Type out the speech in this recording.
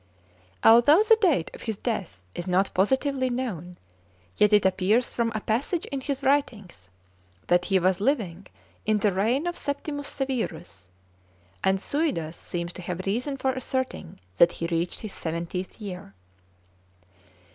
Although the date of his death is not positively known, yet it appears from a passage in his writings that he was living in the reign of Septimius Severus; and Suidas seems to have reason for asserting that he reached his seventieth year.